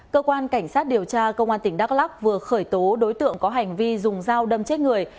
cơ quan cảnh sát điều tra công an tỉnh đắk lắc vừa khởi tố đối tượng có hành vi dùng dao đâm chết người